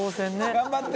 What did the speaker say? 「頑張って！」